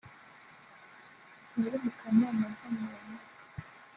wari mu kanama nkemurampaka